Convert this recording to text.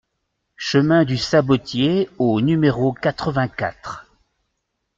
Chemin du Sabotier au numéro quatre-vingt-quatre